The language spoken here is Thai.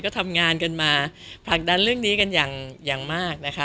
ก็ทำงานกันมาผลักดันเรื่องนี้กันอย่างมากนะคะ